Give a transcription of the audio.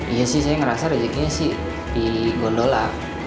iya sih saya ngerasa rezekinya sih di gondola